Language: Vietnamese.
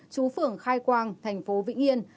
chú phưởng khai quang thành phố vĩnh yên